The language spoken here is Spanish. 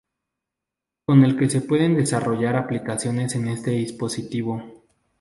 Con el que se pueden desarrollar aplicaciones en este dispositivo.